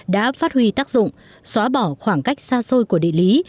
đã phát huy tác dụng xóa bỏ khoảng cách xa xôi của địa lý